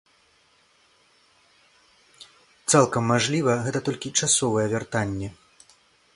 Цалкам мажліва, гэта толькі часовае вяртанне.